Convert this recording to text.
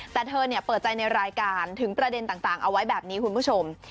แต่เธอเปิดใจในรายการถึงประเด็นต่างเอาไว้แบบนี้คุณผู้ชม